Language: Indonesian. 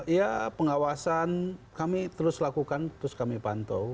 ya pengawasan kami terus lakukan terus kami pantau